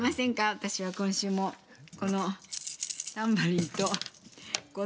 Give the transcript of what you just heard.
私は今週も、このタンバリンとこの、どうなの？